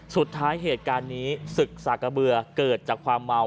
สุดท้ายเหตุการณ์นี้ศึกสากะเบือเกิดจากความเมา